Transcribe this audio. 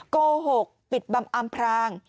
โกหกปิดบำอำพราง